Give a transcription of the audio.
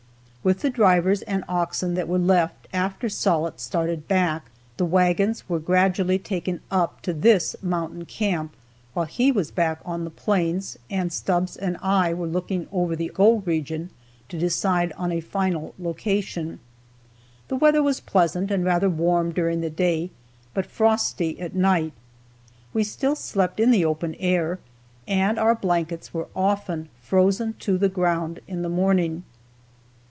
With the drivers and oxen that were left after Sollitt started back, the wagons were gradually taken up to this mountain camp, while he was back on the plains and Stubbs and I were looking over the gold region to decide on a final location. The weather was pleasant and rather warm during the day, but frosty at night. We still slept in the open air, and our blankets were often frozen to the ground in the morning.